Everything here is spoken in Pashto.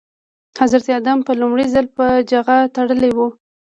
حضرت ادم په لومړي ځل په جغ تړلي وو.